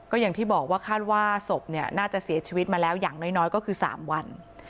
ก็อย่างที่บอกว่าคาดว่าศพเนี่ยน่าจะเสียชีวิตมาแล้วอย่างน้อยก็คือ๓วัน